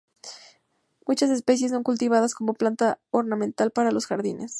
Muchas especies son cultivadas como planta ornamental para los jardines.